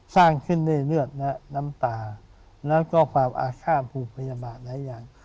สร้างขึ้นด้วยเลือดและน้ำตาแล้วก็ความอาฆาตภูมิพยาบาลหลายอย่าง